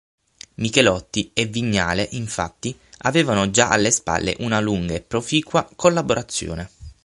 Michelotti e Vignale infatti, avevano già alle spalle una lunga e proficua collaborazione.